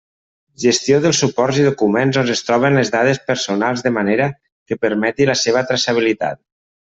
Gestió dels suports i documents on es troben les dades personals de manera que permeti la seva traçabilitat.